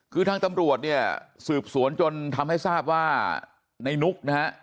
คือทางตำรวจเนี่ยสืบสวนจนทำให้ทราบว่าในนุกนะฮะ